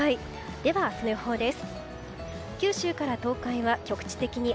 では、明日の予報です。